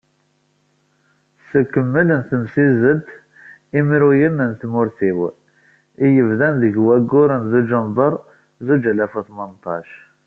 S ukemmel n temsizzelt "Imruyen n tmurt-iw" i yebdan deg wayyur n dujember zuǧ alaf u tmenṭac.